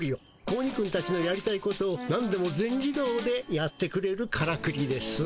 子鬼くんたちのやりたいことをなんでも全自動でやってくれるからくりです。